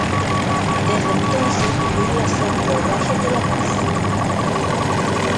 Desde entonces vivió en la zona de Obrajes de La Paz.